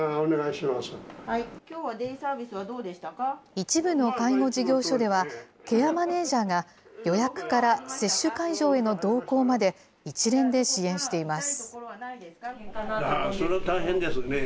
一部の介護事業所では、ケアマネージャーが、予約から接種会場への同行まで一連で支援しています。